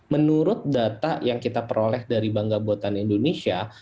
menurut data yang kita peroleh dari bangga buatan indonesia